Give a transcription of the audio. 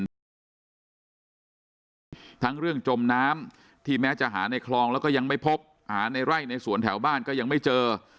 ทั้งที่เห็นทั้งเรื่องจมน้ำที่แม้จะหาในคลองแล้วก็ยังไม่พบหาในไร่ในสวนแถวบ้านก็ยังไม่เจอ